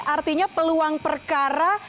artinya peluang perkara